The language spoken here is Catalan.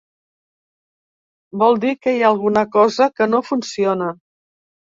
Vol dir que hi ha alguna cosa que no funciona.